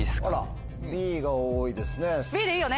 Ｂが多いですね。